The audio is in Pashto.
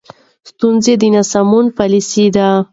ستونزه د ناسمو پالیسیو ده.